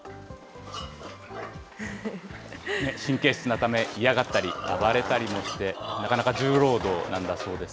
神経質なため、嫌がったり暴れたりもして、なかなか重労働なんだそうです。